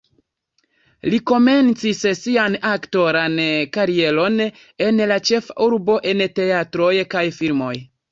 Li komencis sian aktoran karieron en la ĉefurbo en teatroj kaj filmoj.